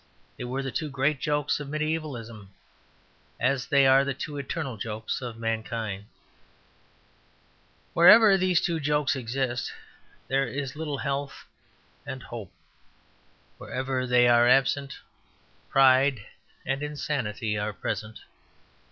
They were the two great jokes of mediaevalism, as they are the two eternal jokes of mankind. Wherever those two jokes exist there is a little health and hope; wherever they are absent, pride and insanity are present.